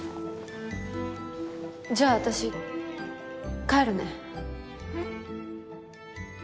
じゃあ私帰るね。